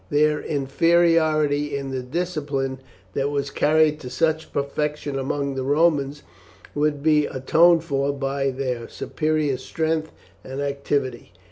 Their inferiority in the discipline that was carried to such perfection among the Romans would be atoned for by their superior strength and activity.